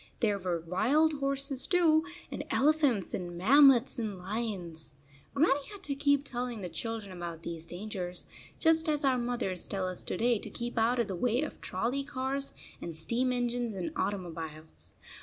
There were wild horses, too, and elephants, and mammoths, and lions. Grannie had to keep telling the children about these dangers, just as our 27 mothers tell us to day to keep out of the way of trolley cars and steam engines and automobiles.